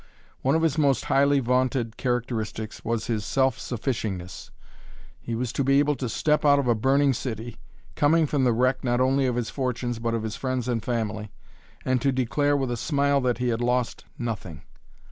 One of his most highly vaunted characteristics was his self sufficingness. He was to be able to step out of a burning city, coming from the wreck not only of his fortunes, but of his friends and family, and to declare with a smile that he has lost nothing.